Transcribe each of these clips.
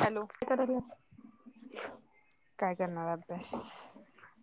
Hello [unintelligible] काय करणार अभ्यास?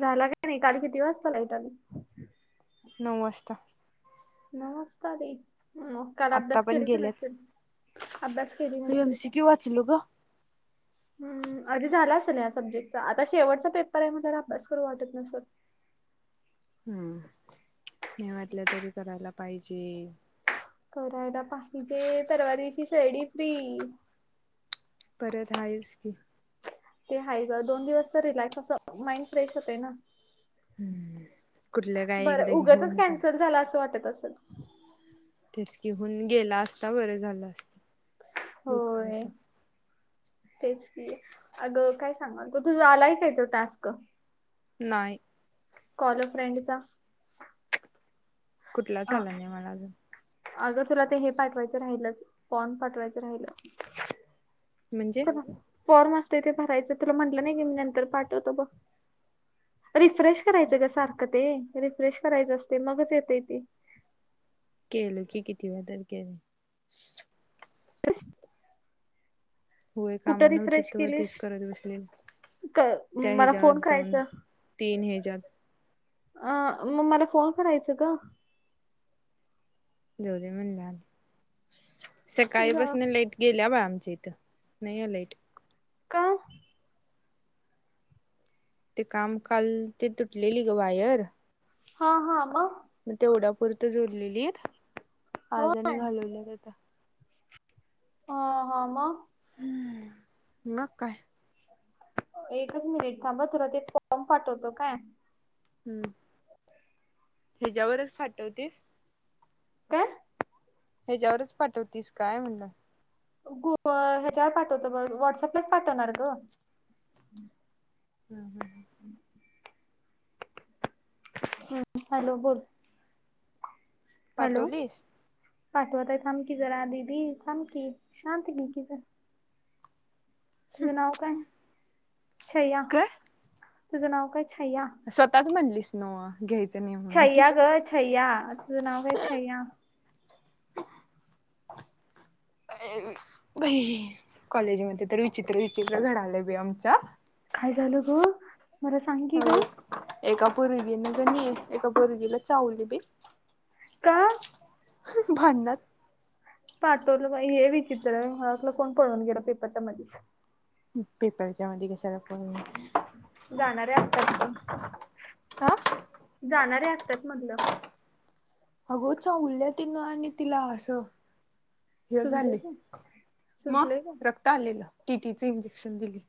झाला काय नाही काल किती वाजता लाइट आली? नऊ वाजता नमस्कार काल आत्ता अभ्यास पण केली तर नक्से गेल्याच अभ्यास केली नक्श एम सी का क्यू वाचलो ग हम् आधी झाला असे ना या सब्जेक्टचा आता शेवटचा पेपर आहे मला अभ्यास करू वाटत नसर हम नाही वाटलं तरी करायला पाहिजे करायला पाहिजे परवा दिवशी शैडी फ्री परत आहेस की ते ह ग दोन दिवस तर रिलॅक्स अस माइंड फ्रेश होते ना हम् कुठलं काय एकदा घेऊनचल झा अस वाटत असल तेच घिहन गेला असता बरं झालं असत लोकळ होय तेच की अग काय सांगल तो तुझ आलाय काय त टास्क नाहीय कॉलो फ्रेंडचा कुठला हा चाला नाही मला अजून अगं तुला ते हे पाठवायचं राहिलच पॉन पाठवायचं राहिल म्हणजे चला फॉर्म असतं ते भरायचं तुला म्हंटलं नाही की मी नंतर पाठवतो बघ रिफ्रेश करायचं ग सारखं ते रिफ्रेश करायचं असते मगच येतय ते केलो की किती वेळा तर केले होय काम कुठं नव्हती तेव्हा तेच करत विसलेल का मला फोन करायचा तीन ह्याच्यात अ मग मला फोन करायचं का द म्हण जा- सकाळीपसून लाईट गेल्या बा आमच्या इथं नाही आहेलाईट का ते काम काल ते तुटलेली ग वायर हा हा आ म मग तेवढा पुुरत जोडलेली आहेत हो आजाने घालवल्यात आता ह हम मग काय एकच मिनिट थांब तुला ते फॉर्म पाठवतो काय हम्म ह्याच्यावरच पाठवतेस काय ह्याच्यावरच पाठवतीस काय म्हणलं गुग ह्याच्यावर पाठवतो बघ व्हॉट्सअपलाच पाठवणार ग हा हा हम्म हॅलो बोल हॅलो पाठवलीस पाठवतय थांबकी जरा दीदी थांमकी शांत घे कि ज तुझं नाव काय छया काय तुझं नाव काय छयया स्वतःच म्हणलीस न घ्यायच न छयया ग छयया तू नाव का छयया बाई कॉलेजमध्येध्ये तर विचित्र विचित्र घडलं बी आमच्या काय झाल ग मला सांग की ग एका पर्गीने जणी एका पर्गीला चावली बी का भडण्यात पाठवलं हे विचित्र म्ह आपलं कोण पळून गेलं पेपरच्या मध्ये पेपरच्या मध्ये क जाणारे असतात ग ह. जाणारे असतात मधलं अगो च उलल्या तिनं आणि तिला असं हे सुजले झाले का मग सुजले का रक्त आलेलं टीटीचे इंजेक्शन दिली.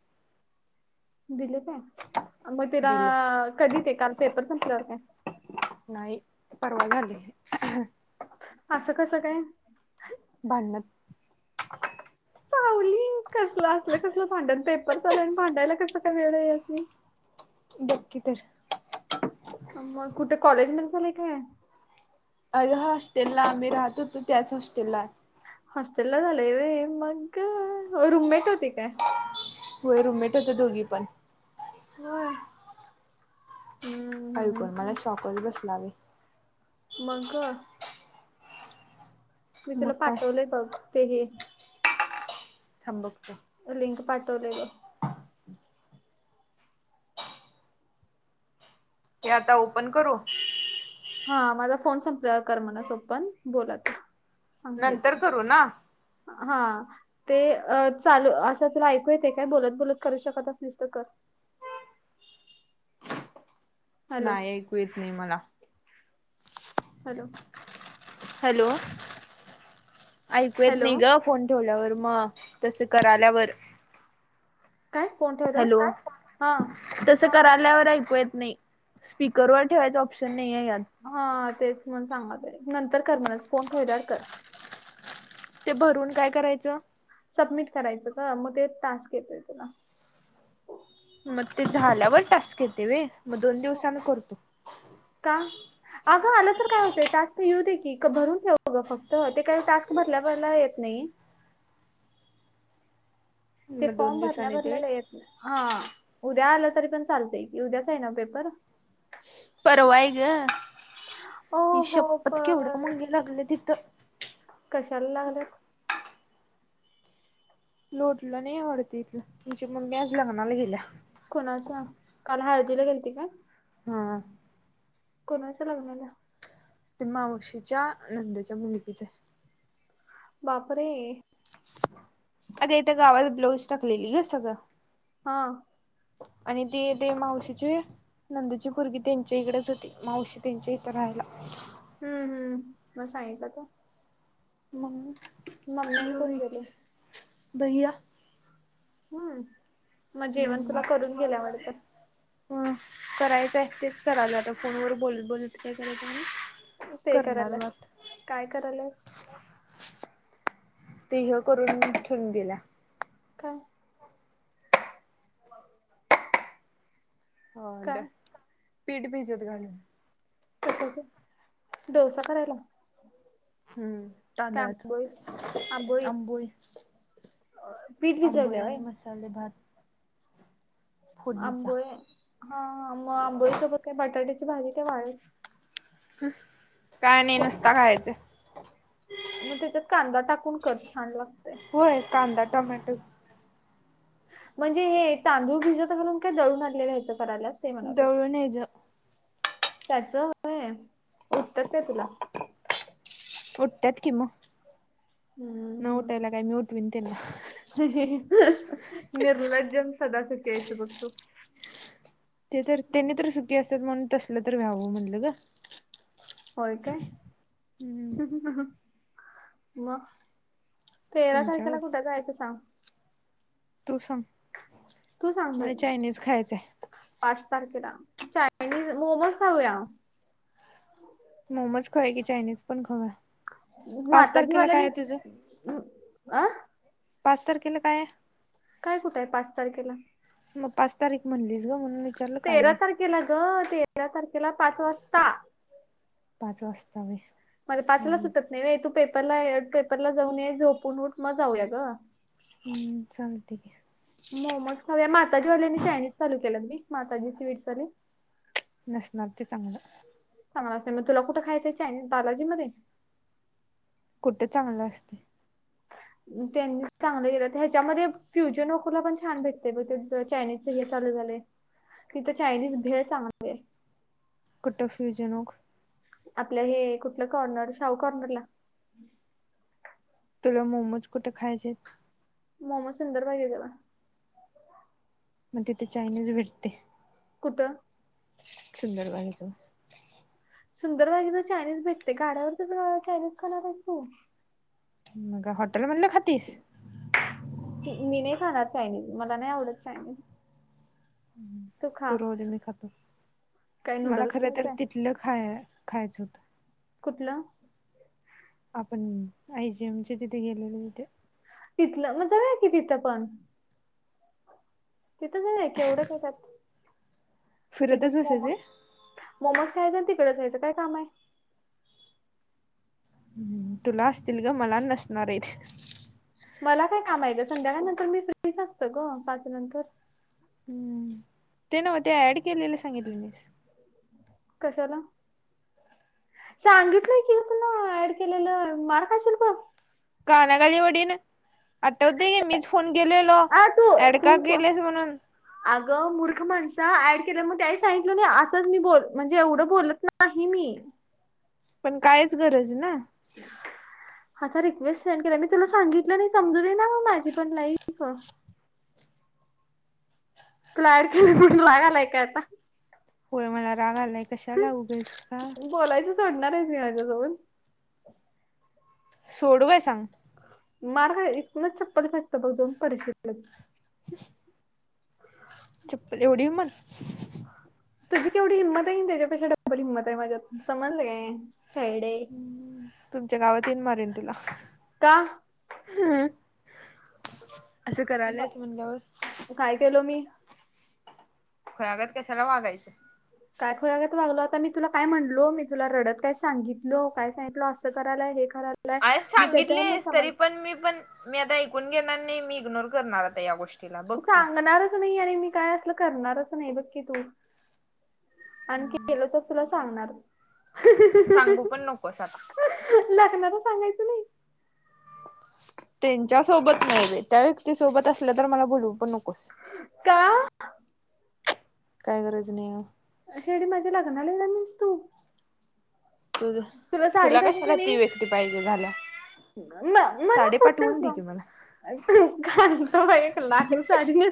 दिले काय मग तिला दिले कधी देता पेपर संपल्यावर काय? नाही परवा झाली. असं कसं काय? भांडण. पावली कसलं असलं कसलं भांडण पेपर चालूय आहे आणि भांडायला कस काय वेळ आहे ह्यासनी बघ की तर मग कुठे कॉलेज मधी झालंय काय अ हॉस्टेलला आम्ही राहत होतो त्याच हॉस्टेलला हॉस्टेल ला झालंय व्हय मग रुममेट होती काय होय रूममेट होत्या दोघी पण होय हम्म, हम्म, ऐकून मला हम्म. शॉकस बसला बाई मग ग? मी मग तुला काय पाठवलंय बघ ते हे [unintelligible] लिंक पाठवलेले बघ. हे आता ओपन करू. हा माझा फोन संपला करमनासोपन बोलात सांगते नंतर तु करू ना हा ते चालू असं तुला ऐकू येतेय काय बोलत बोलत करू शकत असलीस तर कर हॅलो नाही ऐकू येत नाही मला हॅलो हॅलो ऐकू येत हॅलो नाही ग फोन ठेवल्यावर मग तसं क आल्यावर काय कोणत्या हॅलो तसं करायल्यावर ऐकू येत नाही स्पीकरवर ठेवायचं ऑप्शन नाही आहे यात हा तेच मण सांगात नंतर कर म्हण फोन ठेवल्यावर कर- ते भरून काय करायचं? सबमिट करायचं का मग ते तास येतोय तुला. मग ते झाल्यावर टास्क येते वे मग दोन दिवस आम्ही करतो. का? अगं आलं तर काय होते टास्क घऊ दे की भरून ठेवू ग फक्त ते काही टास्क भरल्या भरला येत नाही. ते मग दोन फॉर्म भरल्या दिवसाांनी भरल्या येते लगेच हा उद्या आलं तरी पण चालतंय की उद्याच आहे नव्ह पेपर परवा आहे ग ओ हो आईशप्पथ केवढ्या पण मुंग्या लागल्या आहेत इथं. कशाला लागले? लोटलं नाही आवडत इथलं तुमच्या मग मी आज लग्नाला गेल्या कुणाच्या काल हळदीला गेलती काय? हा. कोणाच्या लग्नाला? ते मावशीेच्या नंदेच्या मुलगीच आहे. बापरे अग इथं गावात ब्लाऊज टाकलेली ग सगळं हा आणि ते ते मावशीचे नंदूची पूरगी त्यांच्या इकडेच होती मावशी त्यांच्या इथं राहायला. हम्म हम्म मग सांगितलासा. मी मम्मी आणि कोण जेवली गेले की भघया. हम मग जेवण तुला करून गेल्या वाटत. ह करायचं आहे तेच कराल आता फोनवर बोलत बोलत काय करायचं म्हणून. ते करणार करायला बग आता. काय करायलास तेह करून ठेवून गेला. का. ह काय डत का पीठ भीजत घाल. कशाच डोसा करायला. हम्म. काय आंबोळी तांदळाच आंबोळी पीठ भिजवले आंबोळी आणि होय मस्त. खाल्ले भात. फोडणीचा आंबोळे हा आंबोळी सोबत काय बटाट्याची भाजी का वाढच- काय नाही नुसता खायचं. मग त्याच्यात कांदा टाकून कर छान लागत. होय कांदा टमॅटो. म्हणजे हे तांदूळ भिजत घालून काय दळून आणलेलाहायचं करायलास ते म्हणावलोय. दळून यायचं त्याच होय उटत्यात काय तुला. उठतत कि मग हम्म न हम्म उठायला काय मी उठवीन त्याला. निर्लज्जम सदा सुखी आहेस बघ तु. ते तर त्याने तर सुखी असतात म्हणून तसलं तर व्यावं म्हटलं ग. होय काय हम्म म. तेरा तारखेला तुमच्याकडे कुठं जायचं सांग. तू सांग. तू सांग मला चायनीज खायचंय पाच तारखेला चायनीज मोमोज खाऊया. मोमोज खाय की चायनीज पण खाऊय पाच तारखेला काय आहे तुझं. आ. पाच तारखेलां काय आहे. काय कुठं आहे पाच तारखेला. मग पाच तारीख म्हणलीस ग म्हणून वि तेरा तारखेला ग तेरा तारखेला पाच वाजता. पाच वाजतावेय. माझं पाचला सुटत नाही तू पेपरला पेपरला जाऊन ये झोपून उठ मग जाऊया ग. हम चालतंय. मोमोज खाऊया मातजी वल्यांने चानीज चालू केलात मी माताी स्वीट्स वाले. नसणार ते चांगलं. चांगलं असं मग तुला कुठे खायच्या आहे बालाजी मध्ये. कुठे चांगलं असते. त्यांनी चांगलं गलं ह्याच्यामध्ये फ्युजन कोला पण छान भेटतय बघ चायनीज. हे चालू झाले तिथ चायनीज भेळ चांगली हाय. कुट फ्युजन ओक. आपलं हे कुठलं कॉर्नर शाहू कॉर्नरला. तुला मोमोज कुठे खायचे. मोमज सुंदर पाहिजेेला. मग ते ते चायनीज भटते. कुठं. सुंदरबागेजवळ. सुंदर बागेजवळ चायनीज भेटते गाड्यावर तर चायनीज खणार आहेस तु. मग हॉटेल म्हधलं खातीस. छी मी नाही खाणार चायनीज मला नाही आवडत चायनीज. हम्म [inaudible] तू त खा रोज मी खातो. काय मला नूडल्स खर तर खायचं आहे तिथलं खाय खायचं होतं. कुठलं. आपण आय जी एमचे तिथे गेलेलो. तिथे. तिथलं. म जाउया कि तिथं पण. तिथंच क एवढं कातात तथे फिरतच बसायचे. मोमोज खायचंन. तिकडे जायचं काय कामे. तुला असतील ग. मला नसणारेत. मला काय कामे ग. संध्याकाळ नंतर मी फ्रीच असतं ग. पाच नंतर. हम्म. ते नव्ह ते ऍड केलेलं सांगितले मीस. कशाला. सांगितलंय की तुला ऍड केलेलं. मार खाशील बघ. कानाखाली वडीन. आठवते की मीच फोन केलेलो. आ तू ऍडका तू केलेस म्हणून. अगं मूर्ख माणसा. ऍड केल्या मग ते सांगितलं नाही. असंच मी बोल म्हणजे एवढं बोलत नाही मी पण कायच गरज ना. [unintelligible] आता रिक्वेस्ट सेंड केल. मी तुला सांगितलं नाही. समजूदेना म माझी पण लाईफ. तूला ऑड केले म्हणून, राग आलाय काय आता. होय मला राग आलाय. कशाला उगेस का? सोडणारेस का माझ्याजवन [unintelligible] सोडू व्हय सांग. मार खायची. तुलाच चप्पल खाशी बघ. दोन परिशच [unintelligible] चप्पल एवढी मण तुझी केवढी हिंमते केनही. त्याच्या पेाक्ष डब्बल हिंमते माजात. समजले काय. छेडे तुमच्या गावात येऊन मारेन तुला. का ह असं करल्यात म्हणल्यावर काय केलो मी. खुळ्यागत कशाला वागायचं. काय खुळ्यागत वागलो आता. मी तुला काय म्हणलो. मी तुला रडत काय सांगितल. काय सांगितलं असं करायलाय हे करायला आरे सांगितलेस तरी पण, मी पण, मी आता ऐकून घेणार नाही. मी इग्नोर करणार आता या गोष्टी. सांगणारच नाही आणि मी काय असल करणारच नाही. बघ की तू. आणखी केलो त. तुला सांगणार. सांगू पण नकोस आता. लाग्णाच सांगायचं नाही. त्यांच्या सोबत नाही रे. त्या व्यक्ती सोबत असल्या. तर मला बोलू पण नकोस. का? काय गरज नाही. शेडी माझ्या लग्न येनार नाहीस तू. तुझ, तुला कशाला ती व्यक्ती पाहिजे झाल्या. ना मला साडी कुठ पाठवून दे ग. की मला अ तेत एक लाख न साजली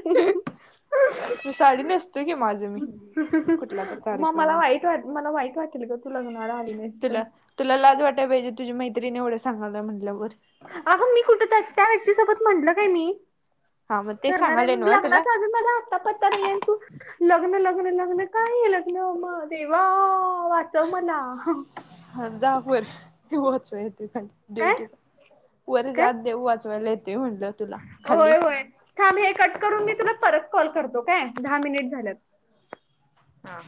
म साडी नेसतो की माझं मी. कुठला तरी तारीख मग मला वाईट वाट, मला वाईट वाटेल ग तू लग्नाला आली नाहीस तर तुला, तुला लाज वाटायला पाहिजे. तुझी मैत्रीन एवढं सगायला म्हटल्या वर. अग मी कुठ त त्या व्यक्तीसोबत म्हंटलं काय मी. हा मग ते करणारे सांगाले म्हणून. नव्ह तुला लग्नाचा अजून माझा आत्ता पत्ता नाहीयेन. लग्न लग्न लग्न काय हे लग्न. म देवा वाच हा, जा वर. देव वाचवा येतोय खाली. देव काय तुला. वरे काय जात देव वाचवायला येतोय म्हणलं. होय होय थांब हे कट करून मी तुला परत कॉल करतो काय दहा मिनिट झाल्यात. हा.